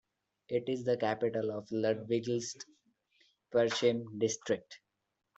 It is the capital of the Ludwigslust-Parchim district.